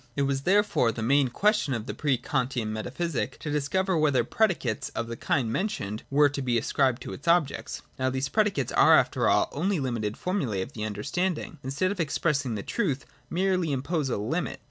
It was therefore the main question of the pre Kantian metaphysic to discover whether predicates of the kind mentioned were to be ascribed to its objects. Now these predicates are after all only limited formulas of the under standing which, instead of expressing the truth, merely impose a limit.